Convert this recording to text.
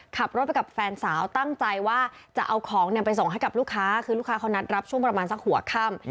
ขับรถไปกับแฟนสาวตั้งใจว่าจะเอาของไปส่งให้กับลูกค้าคือลูกค้าเขานัดรับช่วงประมาณสักหัวค่ำ